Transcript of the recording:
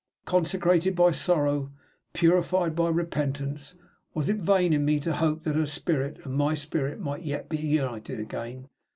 Consecrated by sorrow, purified by repentance, was it vain in me to hope that her spirit a nd my spirit might yet be united again?